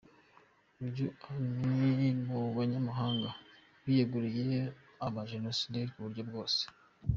Uyu Ann, ni mu banyamahanga biyeguriye abaJenosideri ku buryo bwose.